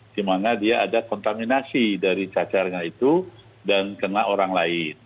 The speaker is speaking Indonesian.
di mana dia ada kontaminasi dari cacarnya itu dan kena orang lain